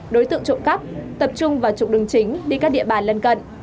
đối tượng trộm cắp tập trung vào trục đường chính đi các địa bàn lân cận